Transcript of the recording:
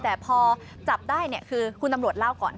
แต่พอจับได้คือคุณตำรวจเล่าก่อน